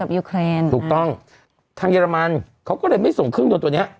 ยูเครนถูกต้องทางเยอรมันเขาก็เลยไม่ส่งเครื่องยนต์ตัวเนี้ย